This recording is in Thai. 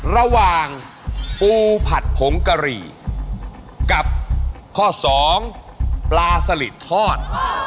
ระหว่างปูผัดผงกะหรี่กับข้อสองปลาสลิดทอด